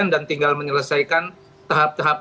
dan tinggal menyelesaikan tahap tahap